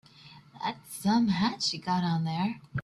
That's some hat you got on there.